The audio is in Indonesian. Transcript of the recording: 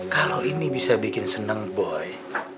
kalau ini bisa bikin senang boy